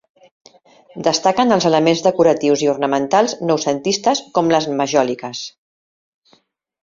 Destaquen els elements decoratius i ornamentals noucentistes com les majòliques.